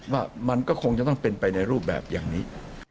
ว่ามันก็คงจะต้องเป็นไปในรูปแบบอย่างนี้